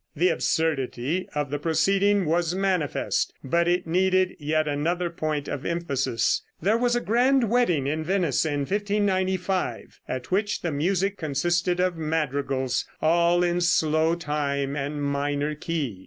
The absurdity of the proceeding was manifest, but it needed yet another point of emphasis. There was a grand wedding in Venice in 1595, at which the music consisted of madrigals, all in slow time and minor key.